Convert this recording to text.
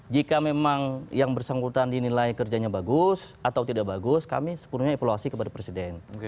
jika memang yang bersangkutan dinilai kerjanya bagus atau tidak bagus kami sepenuhnya evaluasi kepada presiden